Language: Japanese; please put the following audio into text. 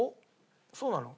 そうなの？